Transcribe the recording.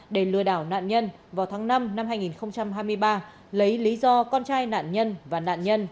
để lừa đảo nạn nhân vào tháng năm năm hai nghìn hai mươi ba lấy lý do con trai nạn nhân và nạn nhân